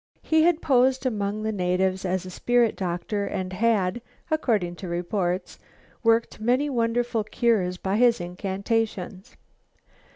He had posed among the natives as a spirit doctor and had, according to reports, worked many wonderful cures by his incantations.